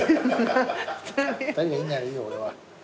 ２人がいいんならいいよ俺は。